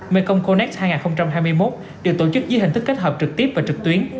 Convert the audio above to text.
mekong connect hai nghìn hai mươi một được tổ chức dưới hình thức kết hợp trực tiếp và trực tuyến